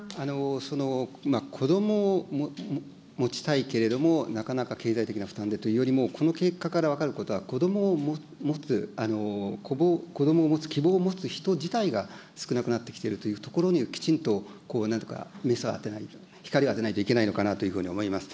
そのこどもを持ちたいけれども、なかなか経済的な負担でというよりも、この結果から分かることは、こどもを持つ、こどもを持つ希望を持つ人自体が少なくなってきているところにきちんとなんというか、メスを当てないと、光を当てないといけないのかなというふうに思います。